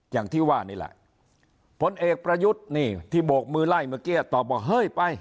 อย่างที่ว่านี่แหละผลเอกประยุทธ์นี่ที่โบกมือไล่เมื่อกี้ตอบว่าเฮ้ยไป